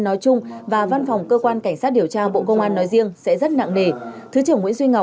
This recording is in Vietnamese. nói chung và văn phòng cơ quan cảnh sát điều tra bộ công an nói riêng sẽ rất nặng nề thứ trưởng